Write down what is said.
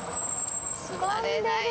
座れない。